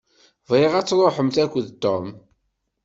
Bɣiɣ ad tṛuḥemt akked Tom.